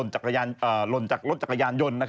หล่นจากรถจักรยานยนต์